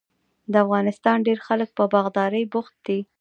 د افغانستان ډیری خلک په باغدارۍ بوخت دي.